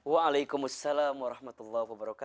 waalaikumsalam wr wb